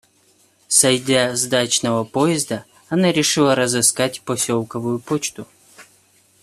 Сойдя с дачного поезда, она решила разыскать поселковую почту.